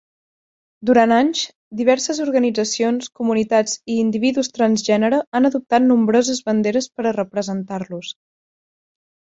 Durant anys, diverses organitzacions, comunitats i individus transgènere han adoptat nombroses banderes per a representar-los.